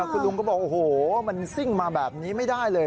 คุณลุงก็บอกโอ้โหมันซิ่งมาแบบนี้ไม่ได้เลย